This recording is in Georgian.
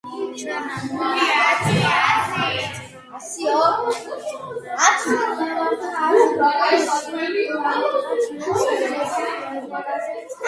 ჩვენამდე მოაღწია ამ მებრძოლების მრავალმა ქანდაკებამ და გამოსახულებამ.